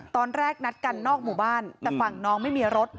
ตอนแรกนัดกันนอกหมู่บ้านแต่ฝั่งน้องไม่มีรถ